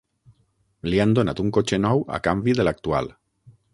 Li han donat un cotxe nou a canvi de l'actual.